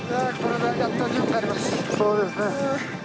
そうですね。